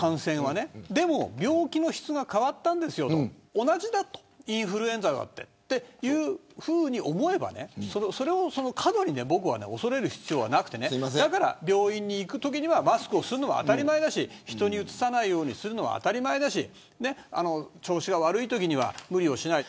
でも病気の質が変わったんですよとインフルエンザと同じですというふうに思えばそれを過度に恐れる必要はなくてだから病院に行くときにはマスクをするのが当たり前だし人にうつさないようにするのは当たり前だし調子が悪いときには無理をしない。